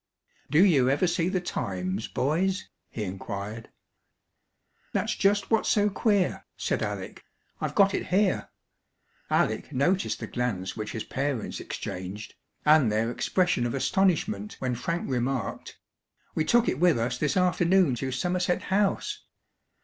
"Do you ever see the Times, boys?" he inquired. "That's just what's so queer," said Alec. "I've got it here." Alec noticed the glance which his parents exchanged, and their expression of astonishment when Frank remarked "We took it with us this afternoon to Somerset House."